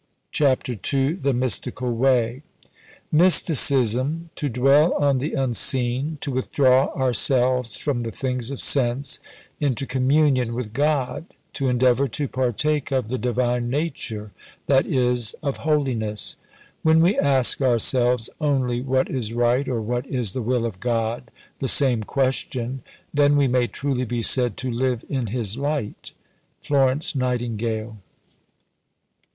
CHAPTER II THE MYSTICAL WAY Mysticism: to dwell on the unseen, to withdraw ourselves from the things of sense into communion with God to endeavour to partake of the Divine nature; that is, of Holiness. When we ask ourselves only what is right, or what is the will of God (the same question), then we may truly be said to live in His light. FLORENCE NIGHTINGALE.